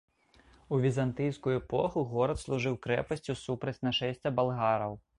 У візантыйскую эпоху горад служыў крэпасцю супраць нашэсця балгараў.